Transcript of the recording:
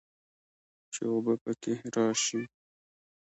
چې اوبۀ به پکښې راشي